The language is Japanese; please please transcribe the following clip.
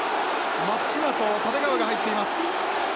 松島と立川が入っています。